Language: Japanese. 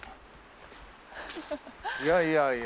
いやいやいや。